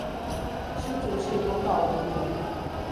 新竹市公道五路